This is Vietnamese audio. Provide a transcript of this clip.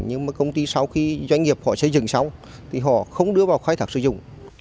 nhưng mà công ty sau khi doanh nghiệp họ xây dựng xong thì họ không đưa vào khai thác sử dụng